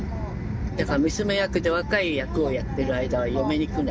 だから娘役で若い役をやってる間は嫁に行くなって。